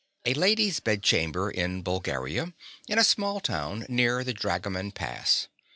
A lady's bedchamber in Bulgaria, in a small town near the Dragoman Pass.